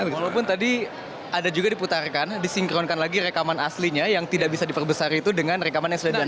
walaupun tadi ada juga diputarkan disinkronkan lagi rekaman aslinya yang tidak bisa diperbesar itu dengan rekaman yang sudah diambil